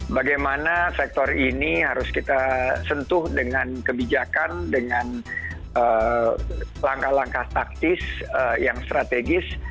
bagaimana sektor ini harus kita sentuh dengan kebijakan dengan langkah langkah taktis yang strategis